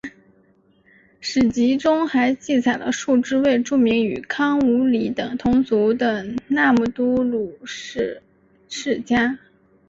史籍中还记载了数支未注明与康武理等同族的那木都鲁氏世家。